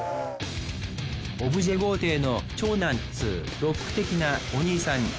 オブジェ豪邸の長男っつうロック的なお兄さん。